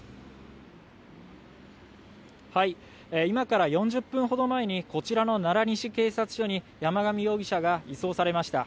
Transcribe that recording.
今から４０分ほど前にこちらの奈良西警察署に山上容疑者が移送されました。